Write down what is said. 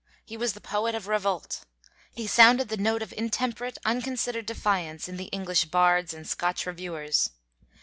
He was the poet of Revolt. He sounded the note of intemperate, unconsidered defiance in the 'English Bards and Scotch Reviewers.'